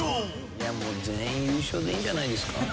いやもう全員優勝でいいんじゃないですか